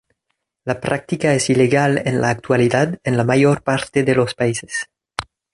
La práctica es ilegal en la actualidad en la mayor parte de los países.